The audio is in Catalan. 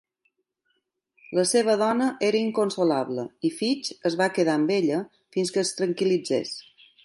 La seva dona era inconsolable i Fitch es va quedar amb ella fins que es tranquil·litzés.